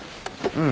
うん。